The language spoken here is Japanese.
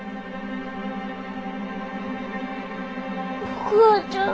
お母ちゃん。